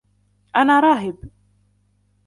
انا راهب.